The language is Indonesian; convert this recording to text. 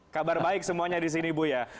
kabar baik semuanya di sini buya